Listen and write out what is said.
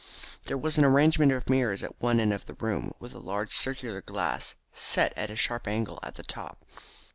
There was an arrangement of mirrors at one end of the room, with a large circular glass set at a sharp angle at the top.